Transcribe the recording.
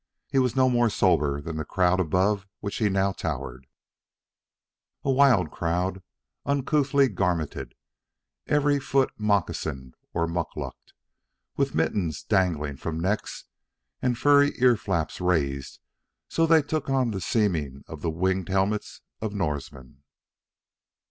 He was no more sober than the crowd above which he now towered a wild crowd, uncouthly garmented, every foot moccasined or muc lucked, with mittens dangling from necks and with furry ear flaps raised so that they took on the seeming of the winged helmets of the Norsemen.